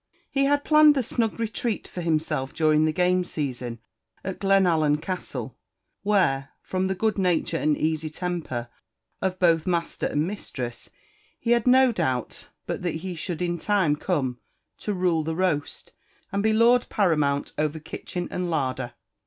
He had planned a snug retreat for himself during the game season at Glenallan Castle; where, from the good nature and easy temper of both master and mistress, he had no doubt but that he should in time come to rule the roast, and be lord paramount over kitchen and larder.